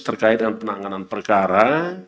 terkait dengan penanganan perkara